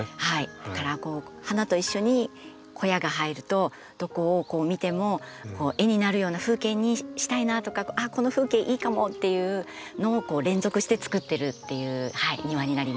だから花と一緒に小屋が入るとどこを見ても絵になるような風景にしたいなとかこの風景いいかも！っていうのを連続してつくってるっていう庭になります。